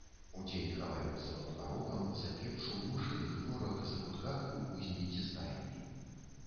Удзень хаваюцца пад парогам, за печчу, у мышыных норах, закутках у кузні ці стайні.